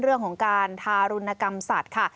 เรื่องของการทารุณกรรมสัตว์ค่ะ